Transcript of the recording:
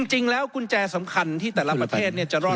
จริงแล้วกุญแจสำคัญที่แต่ละประเทศจะรอด